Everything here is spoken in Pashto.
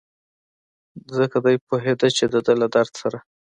ځکه دی پوهېده چې دده له درد سره.